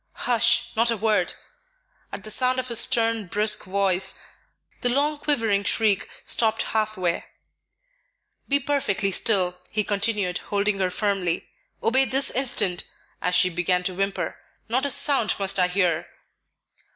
"Hush! Not a word!" At the sound of his stern, brusque voice, the long quivering shriek stopped halfway. "Be perfectly still," he continued, holding her firmly. "Obey this instant," as she began to whimper; "not a sound must I hear."